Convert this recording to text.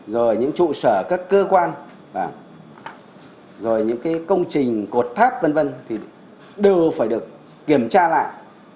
rồi những trụ sở các cơ quan rồi những cái công trình cột tháp v v thì đều phải được kiểm tra lại